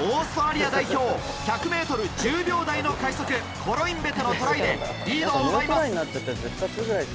オーストラリア代表１００ｍ１０秒台の快速コロインベテのトライでリードを奪います。